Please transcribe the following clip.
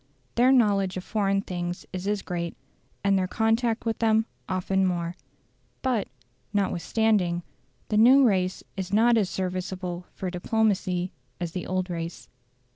Their knowledge of foreign things is as great, and their contact with them often more. But, notwithstanding, the new race is not as serviceable for diplomacy as the old race.